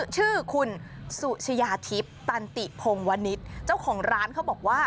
ชื่อคุณสุชายาทิพย์ตันติพงวนิษฐ์เจ้าของร้านเขาบอกว่า